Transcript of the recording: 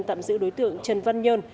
tạm giữ đối tượng trần văn nhơn